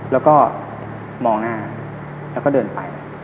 แล้วก็มองหน้าแล้วก็เดินไป